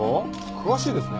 詳しいですね。